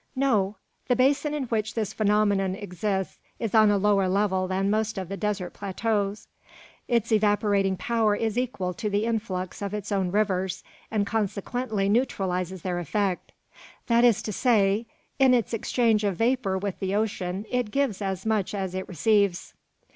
"No. The basin in which this phenomenon exists is on a lower level than most of the desert plateaux. Its evaporating power is equal to the influx of its own rivers, and consequently neutralises their effect; that is to say, in its exchange of vapour with the ocean, it gives as much as it receives.